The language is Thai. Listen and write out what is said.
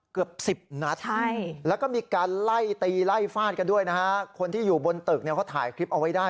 เกือบสิบนัดใช่แล้วก็มีการไล่ตีไล่ฟาดกันด้วยนะฮะคนที่อยู่บนตึกเนี่ยเขาถ่ายคลิปเอาไว้ได้